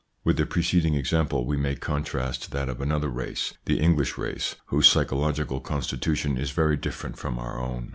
With the preceding example, we may contrast that of another race, the English race, whose psycho logical constitution is very different from our own.